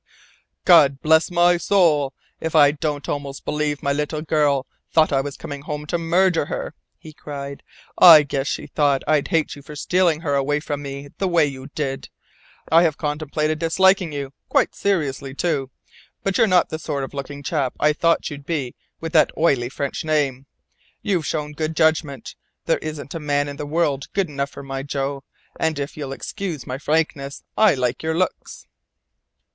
"God bless my soul, if I don't almost believe my little girl thought I was coming home to murder her!" he cried. "I guess she thought I'd hate you for stealing her away from me the way you did. I have contemplated disliking you, quite seriously, too. But you're not the sort of looking chap I thought you'd be with that oily French name. You've shown good judgment. There isn't a man in the world good enough for my Jo. And if you'll excuse my frankness, I like your looks!"